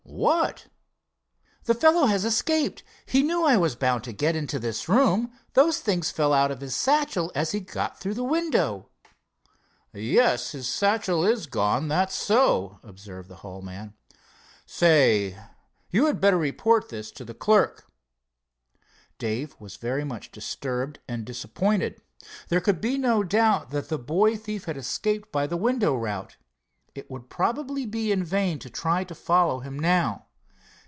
"What?" "The fellow has escaped. He knew I was bound to get into this room. Those things fell out of his satchel as he got through the window." "Yes, his satchel is gone, that's so," observed the hall man. "Say, you had better report this to the clerk." Dave was very much disturbed and disappointed. There could be no doubt that the boy thief had escaped by the window route. It would probably be in vain to try to follow him now.